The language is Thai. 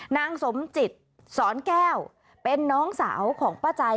นางสมจิตสอนแก้วเป็นน้องสาวของป้าใจ